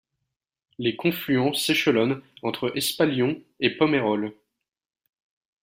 Les confluents s'échelonnent entre Espalion et Pomayrols.